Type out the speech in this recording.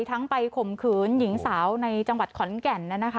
ไปข่มขืนหญิงสาวในจังหวัดขอนแก่น